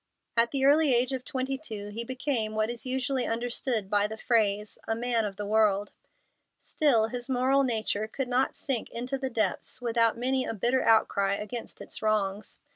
At the early age of twenty two he became what is usually understood by the phrase "a man of the world." Still his moral nature could not sink into the depths without many a bitter outcry against its wrongs.